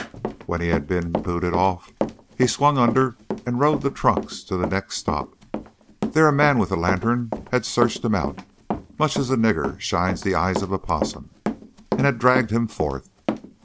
When he had been booted off he swung under and rode the trucks to the next stop. There a man with a lantern had searched him out, much as a nigger shines the eyes of a possum, and had dragged him forth.